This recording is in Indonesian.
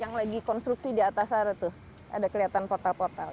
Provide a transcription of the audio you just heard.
yang lagi konstruksi di atas sana tuh ada kelihatan portal portal